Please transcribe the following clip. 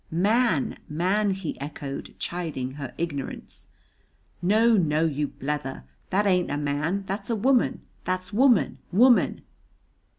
"Man man!" he echoed, chiding her ignorance; "no, no, you blether, that ain't a man, that's a woman; that's woman woman."